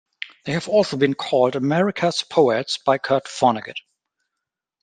They have also been called "America's Poets" by Kurt Vonnegut.